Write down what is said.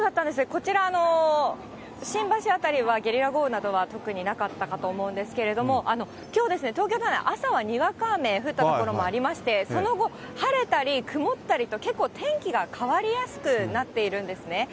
こちら、新橋辺りはゲリラ豪雨などは特になかったかと思うんですけれども、きょう、東京都内朝はにわか雨降った所もありまして、その後、晴れたり曇ったりと、結構天気が変わりやすくなっているんですね。